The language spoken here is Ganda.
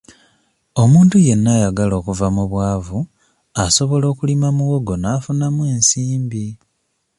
Omuntu yenna ayagala okuva mu bwavu asobola okulima muwogo n'afunamu ensimbi.